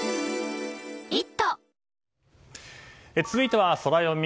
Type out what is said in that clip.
続いてはソラよみ。